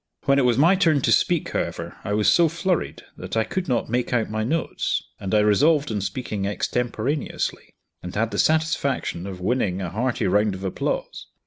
When it was my turn to speak, however, I was so flurried that I could not make out my notes; and I resolved on speaking extemporaneously, and had the satisfaction of winning a hearty round of applause.